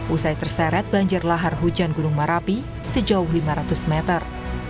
usai terseret banjir lahar hujan gunung merapi sejauh lima ratus meter